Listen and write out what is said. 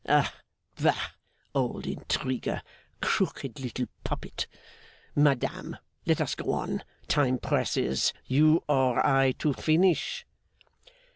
Ah, bah, old intriguer, crooked little puppet! Madame, let us go on. Time presses. You or I to finish?